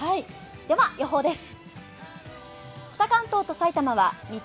では、予報です。